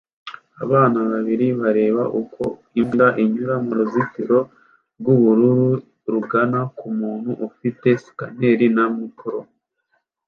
abana babiri bareba uko imbwa inyura mu ruzitiro rwubururu rugana ku muntu ufite scaneri na mikoro